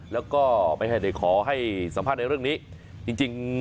แล้วก็ไม่ให้ได้ขอให้สัมภาษณ์ในเรื่องนี้จริง